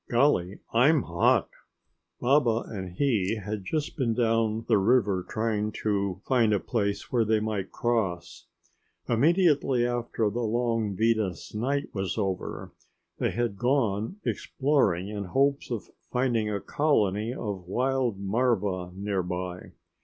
"Golly, I'm hot." Baba and he had just been down the river trying to find a place where they might cross. Immediately after the long Venus night was over, they had gone exploring in hopes of finding a colony of wild marva nearby.